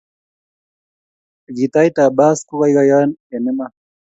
gitait ap bass kokaikaiyo eng iman